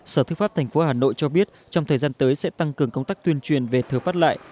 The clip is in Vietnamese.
sở tư pháp thành phố hà nội cho biết trong thời gian tới sẽ tăng cường công tác tuyên truyền về thừa phát lại